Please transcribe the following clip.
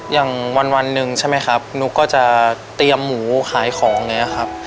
อย่างวันหนึ่งใช่ไหมครับนุ๊กก็จะเตรียมหมูขายของอย่างนี้ครับ